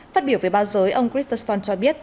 phát biểu về bao giới ông christoph stoltenberg cho biết